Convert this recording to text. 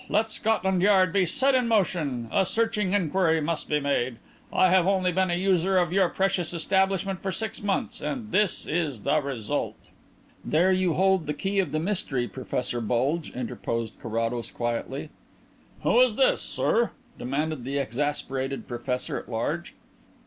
Let Scotland Yard be set in motion. A searching inquiry must be made. I have only been a user of your precious establishment for six months, and this is the result." "There you hold the key of the mystery, Professor Bulge," interposed Carrados quietly. "Who is this, sir?" demanded the exasperated professor at large.